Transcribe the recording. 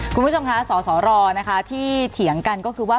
คุณผู้ชมคะสสรนะคะที่เถียงกันก็คือว่า